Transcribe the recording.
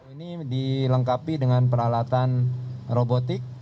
ini dilengkapi dengan peralatan robotik